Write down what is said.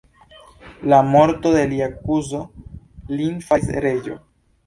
La morto de lia kuzo lin faris reĝo.